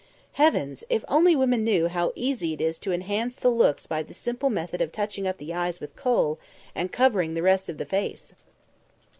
Heavens! if only women knew how easy it is to enhance the looks by the simple method of touching up the eyes with kohl and covering the rest of the face!